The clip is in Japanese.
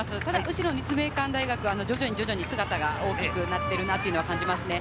後ろ、立命館大学、徐々に姿が大きくなっているなと思いますね。